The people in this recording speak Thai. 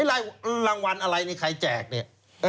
รางวัลอะไรนี่ใครแจกเนี่ย